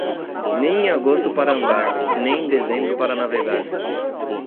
Nem em agosto para andar, nem em dezembro para navegar.